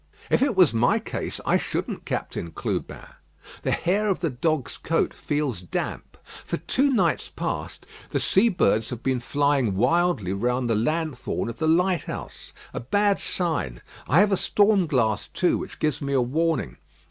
"If it was my case, I shouldn't, Captain Clubin. The hair of the dog's coat feels damp. For two nights past, the sea birds have been flying wildly round the lanthorn of the lighthouse. A bad sign. I have a storm glass, too, which gives me a warning.